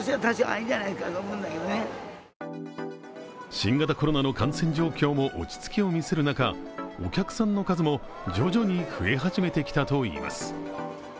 新型コロナの感染状況も落ち着きを見せる中、お客さんの数も徐々に増え始めてきたといいます。